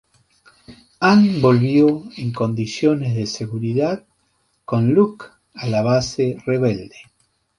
Han volvió en condiciones de seguridad con Luke a la base rebelde.